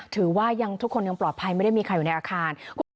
ถือว่าทุกคนยังปลอดภัยไม่ได้มีใครอยู่ในอาคาร